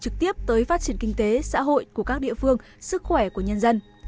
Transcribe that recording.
trực tiếp tới phát triển kinh tế xã hội của các địa phương sức khỏe của nhân dân